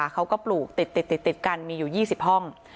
ปลูกติดกันมีอยู่๒๐ห้อง